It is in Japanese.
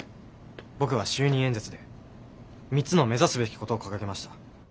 僕は就任演説で３つの目指すべきことを掲げました。